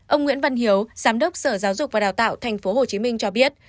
ông nguyễn văn hiếu giám đốc sở giáo dục và đào tạo tp hcm cho biết